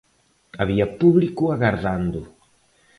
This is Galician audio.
Había público agardando.